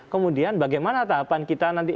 kemudian bagaimana tahapan kita nanti